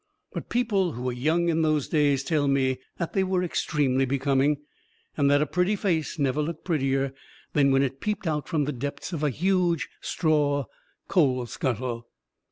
But people who were young in those days tell me that they were extremely becoming, and that a pretty face never looked prettier that when it peeped out from the depths of a huge straw "coal scuttle."